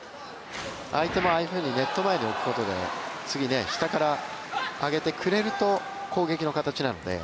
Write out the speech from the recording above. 相手もああいうふうにネット前に置くことで次、下から上げてくれると攻撃の形なので。